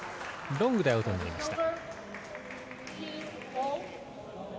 ロングでアウトになりました。